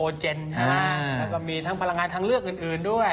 แล้วก็มีทั้งพลังงานทางเลือกอื่นด้วย